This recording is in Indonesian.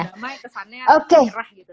kalau berdamai kesannya menyerah gitu